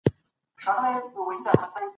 یو ښکاري و چي په ښکار کي د مرغانو